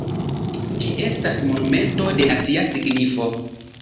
Ĝi estas monumento de nacia signifo.